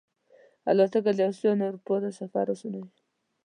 الوتکه د آسیا نه اروپا ته سفر آسانوي.